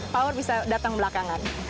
power bisa datang belakangan